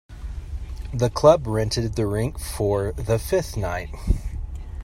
The club rented the rink for the fifth night.